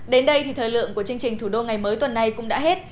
đến đây thì thời lượng của chương trình thủ đô ngày mới tuần này cũng đã hết